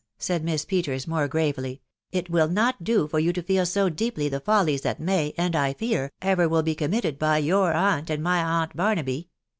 said Miss Peters more gravely, it will not do for you to feel so deeply the follies that may, and, I fear, ever will be committed by your aunt and my aunt Barnaby.